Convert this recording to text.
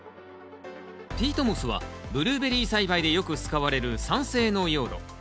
ピートモスはブルーベリー栽培でよく使われる酸性の用土。